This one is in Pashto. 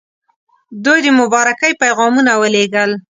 دوی د مبارکۍ پیغامونه ولېږل.